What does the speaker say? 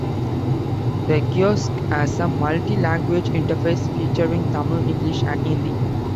The kiosk has a multilanguage interface, featuring Tamil, English and Hindi.